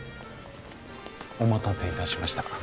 お待たせいたしました。